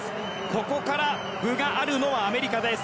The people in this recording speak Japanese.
ここから分があるのはアメリカです。